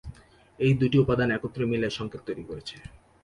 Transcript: এই দুইটি উপাদান একত্রে মিলে সংকেত তৈরি করেছে।